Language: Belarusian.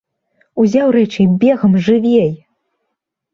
Узяў рэчы і бегам, жывей!!!